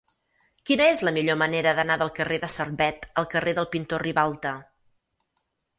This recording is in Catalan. Quina és la millor manera d'anar del carrer de Servet al carrer del Pintor Ribalta?